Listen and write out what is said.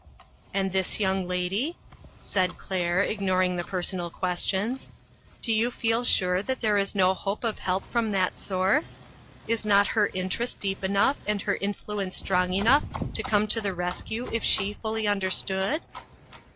" And this young lady ?" said Claire, ig noring the personal questions. " Do you feel sure that there is no hope of help from that source? Is not her interest deep enough and her influence strong enough to come to the rescue if she fully understood?"